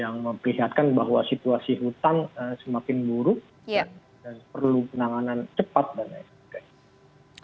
yang memperlihatkan bahwa situasi hutan semakin buruk dan perlu penanganan cepat dan lain sebagainya